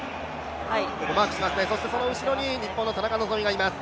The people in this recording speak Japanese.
その後ろに日本の田中希実がいます。